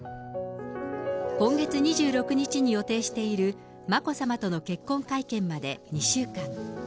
今月２６日に予定している眞子さまとの結婚会見まで２週間。